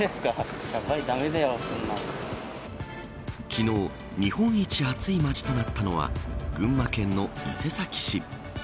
昨日、日本一暑い街となったのは群馬県の伊勢崎市。